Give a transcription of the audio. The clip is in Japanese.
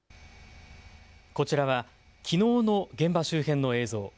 こちらはきのうの現場周辺の映像。